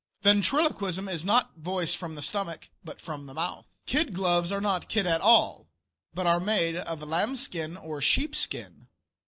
Ventriloquism is not voice from the stomach, but from the mouth. Kid gloves are not kid at all, but are made of lambskin or sheepskin.